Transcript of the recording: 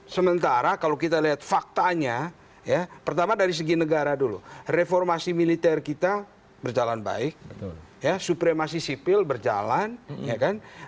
sementara kalau kita lihat faktanya pertama dari segi negara dulu reformasi militer kita berjalan baik supremasi sipil berjalan